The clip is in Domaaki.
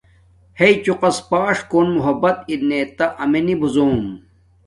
ہݵ چوقس باݽݽ کوٹ محبت ارم تہ امیے نبوزوم،